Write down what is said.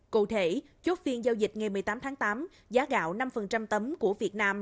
cụ thể chốt phiên giao dịch ngày một mươi tám tháng tám giá gạo năm tấm của việt nam